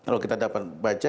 kalau kita dapat baca